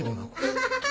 アハハハ！